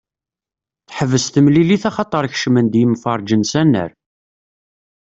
Teḥbes temilit axaṭer kecmen-d yemferrĝen s annar.